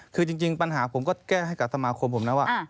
คือจริงปัญหาผมก็แก้ให้กับสมาคมผมนะว่า